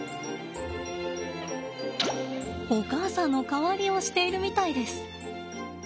お母さんの代わりをしているみたいです。